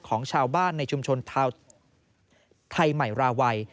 ของชาวบ้านในชุมชนชาวไทยใหม่ราวัย